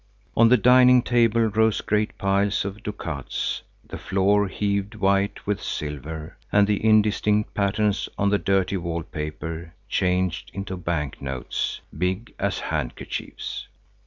On the dining table rose great piles of ducats; the floor heaved white with silver, and the indistinct patterns on the dirty wall paper changed into banknotes, big as handkerchiefs.